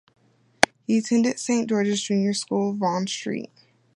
He attended Saint George's Junior School, Vaughan Street.